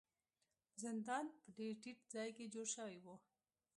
زندان په ډیر ټیټ ځای کې جوړ شوی و.